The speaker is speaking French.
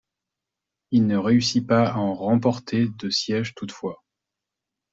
Il ne réussit pas à remporter de sièges, toutefois.